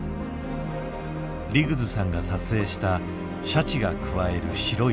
リグズさんが撮影したシャチがくわえる白い塊。